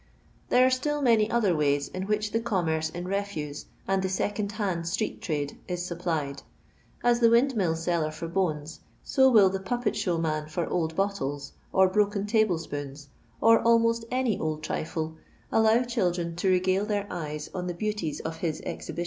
There are still many other ways in which the commerce in refuse and the second hand street trade is supplied. As the windmill seller for bones, so will the puppetehow man for old bottles or broken table spoons, or almost any old trifle, allow children to regale their eyes on the beauties of his exhibition.